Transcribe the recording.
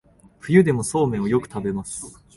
冬でもそうめんをよく食べます